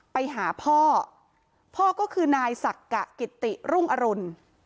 ไปหาพ่อพ่อก็คือนายสักกะกิติรุ่งอรุณ